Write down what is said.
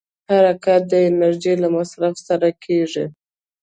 حرکت د انرژۍ له مصرف سره کېږي.